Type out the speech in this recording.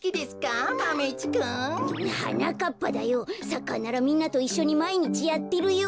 サッカーならみんなといっしょにまいにちやってるよ。